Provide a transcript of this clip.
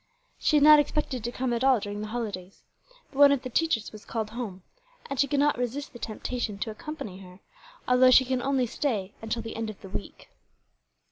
She had not expected to come at all during the holidays; but one of the teachers was called home, and she could not resist the temptation to accompany her, although she can only stay until the end of the week."